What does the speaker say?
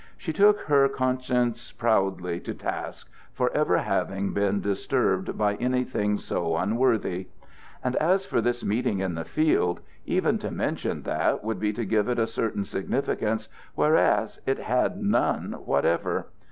She took her conscience proudly to task for ever having been disturbed by anything so unworthy. And as for this meeting in the field, even to mention that would be to give it a certain significance, whereas it had none whatever.